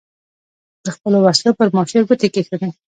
د خپلو وسلو پر ماشو یې ګوتې کېښودې.